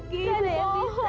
tidak ada yang bisa